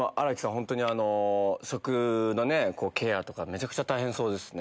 本当に食のケアとかめちゃくちゃ大変そうですね。